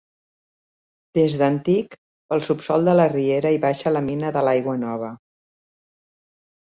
Des d'antic, pel subsòl de la Riera hi baixa la Mina de l'Aigua Nova.